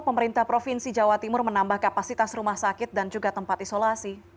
pemerintah provinsi jawa timur menambah kapasitas rumah sakit dan juga tempat isolasi